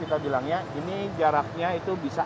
kita bilangnya ini jaraknya itu bisa